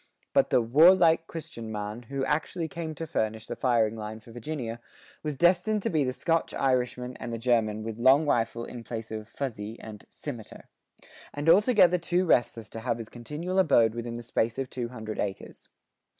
But the "warlike Christian man" who actually came to furnish the firing line for Virginia, was destined to be the Scotch Irishman and the German with long rifle in place of "fuzee" and "simeter," and altogether too restless to have his continual abode within the space of two hundred acres.